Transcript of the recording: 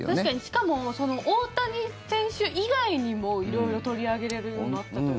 しかも、大谷選手以外にも色々取り上げられるようになったというか。